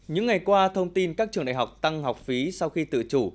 những ngày qua thông tin các trường đại học tăng học phí sau khi tự chủ